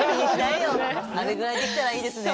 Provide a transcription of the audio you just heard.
あれぐらいできたらいいですね。